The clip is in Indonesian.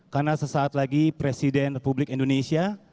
karena sesaat lagi presiden republik indonesia